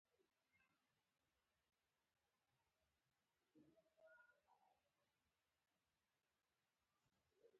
د افغانستان په وړاندې د انګریزانو ښکیلاکي سیاست سره پیژندګلوي.